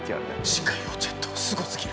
自家用ジェットすごすぎる。